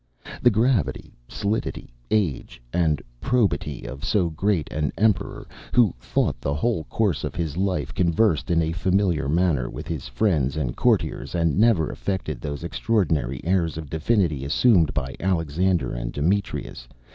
The gravity, solidity, age, and probity of so great an emperor, who through the whole course of his life, conversed in a familiar manner, with his friends and courtiers, and never affected those extraordinary airs of divinity assumed by Alexander and Demetrius.